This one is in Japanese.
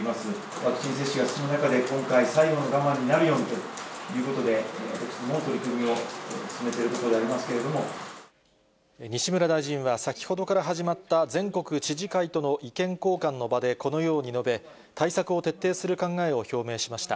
ワクチン接種が進む中で今回、最後の我慢になるようにということで私どもも取り組みを進めてい西村大臣は先ほどから始まった、全国知事会との意見交換の場でこのように述べ、対策を徹底する考えを表明しました。